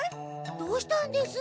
どうしたんです？